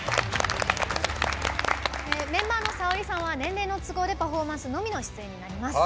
メンバーのＳＡＯＲｉさんは年齢の都合でパフォーマンスのみの出演になります。